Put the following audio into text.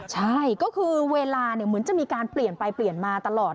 ใช่ก็คือเวลาเหมือนจะมีการเปลี่ยนไปเปลี่ยนมาตลอด